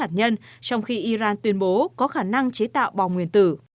trong khi iran tuyên bố có khả năng chế tạo bò nguyên tử